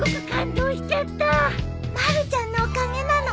まるちゃんのおかげなの！